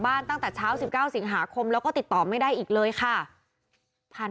ตั้งแต่เช้า๑๙สิงหาคมแล้วก็ติดต่อไม่ได้อีกเลยค่ะผ่าน